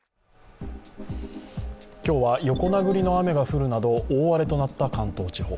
今日は横殴りの雨が降るなど大荒れとなった関東地方。